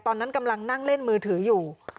ตอนนั้นกำลังนั่งเล่นมือถืออยู่